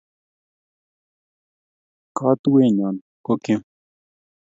Katuenyo ko kim